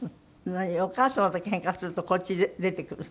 お母様とけんかするとこっち出てくる？